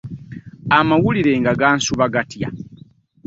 Amawulire nga gansuba gatya?